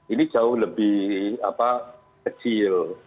ini jauh lebih kecil